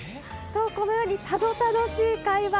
と、このように、たどたどしい会話。